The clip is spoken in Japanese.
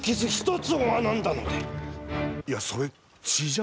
いやそれ血じゃ。